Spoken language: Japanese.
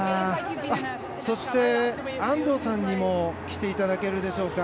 そして、安藤さんにも来ていただけるでしょうか。